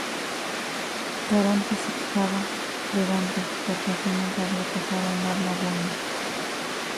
Caronte se quejaba de Dante porque aquí nunca había pasado un alma buena.